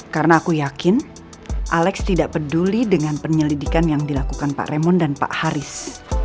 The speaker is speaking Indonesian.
karena aku yakin alex tidak peduli dengan penyelidikan yang dilakukan pak raymond dan pak haris